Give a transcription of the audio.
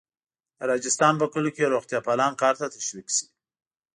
د راجستان په کلیو کې روغتیاپالان کار ته تشویق شي.